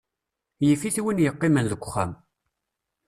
Yif-it win yeqqimen deg uxxam.